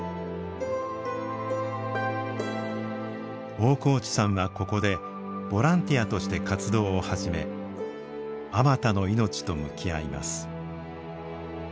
大河内さんはここでボランティアとして活動を始めあまたの命と向き合います。